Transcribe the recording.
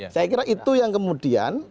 saya kira itu yang kemudian